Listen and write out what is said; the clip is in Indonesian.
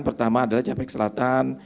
pertama adalah capek selatan